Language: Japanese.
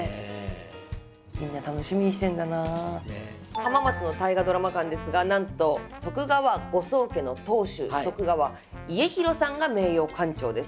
浜松の大河ドラマ館ですがなんと徳川ご宗家の当主徳川家広さんが名誉館長です。